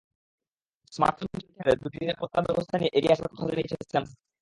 Smartphone চুরি ঠেকাতে দুটি নিরাপত্তা ব্যবস্থা নিয়ে এগিয়ে আসার কথা জানিয়েছে স্যামসাং।